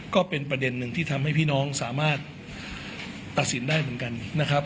ก็เป็นประเด็นหนึ่งที่ทำให้พี่น้องสามารถตัดสินได้เหมือนกันนะครับ